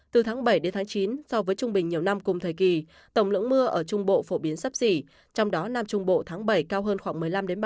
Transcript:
từ tháng bảy đến tháng chín so với trung bình nhiều năm cùng thời kỳ tổng lượng mưa ở trung bộ phổ biến sấp xỉ trong đó nam trung bộ tháng bảy cao hơn khoảng một mươi năm ba mươi